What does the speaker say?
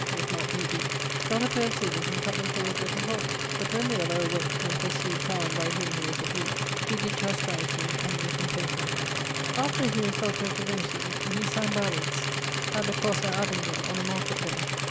if not B.D.) gott a paire of cizers and cutt them full of little holes, but when the other awaked, and percieved how and by whom he was abused, he did chastise him, and made him pay for them. After he was D. of Divinity, he sang ballads at the Crosse at Abingdon on a market day.